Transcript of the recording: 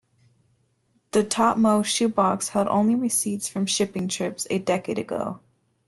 The topmost shoe box held only receipts from shopping trips a decade ago.